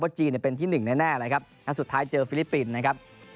เพราะจีนเป็นที่๑แน่เลยครับ